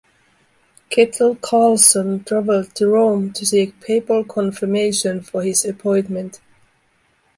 Kettil Karlsson travelled to Rome to seek papal confirmation for his appointment.